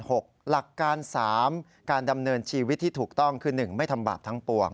หลักการ๓การดำเนินชีวิตที่ถูกต้องคือ๑ไม่ทำบาปทั้งปวง